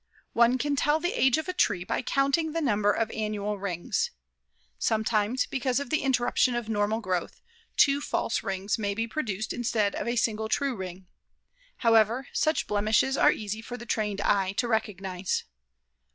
One can tell the age of a tree by counting the number of annual rings. Sometimes, because of the interruption of normal growth, two false rings may be produced instead of a single true ring. However, such blemishes are easy for the trained eye to recognize.